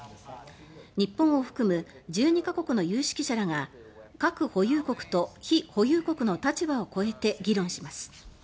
日本を含む１２か国の有識者らが核保有国と非保有国の立場を超えて議論します。